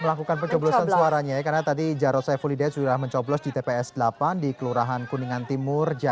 melakukan pencoblosan suaranya ya karena tadi jarod saiful hidayat sudah mencoblos di tps delapan di kelurahan kuningan timur